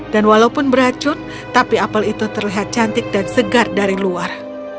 dan walaupun beracun tapi apel itu terlihat cantik dan segar dari luar